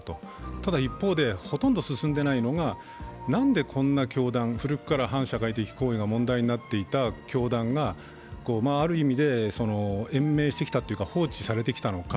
ただ一方でほとんど進んでないのがなんでこんな教団、それから反社会行為が問題になっていた団体がある意味で延命してきたというか、放置されてきたのか。